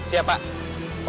iya pak makasih pak